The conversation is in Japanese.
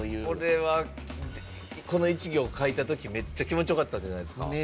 これはこの一行書いたときめっちゃ気持ちよかったんじゃないですか？